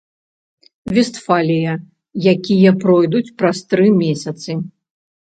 Вестфалія, якія пройдуць праз тры месяцы.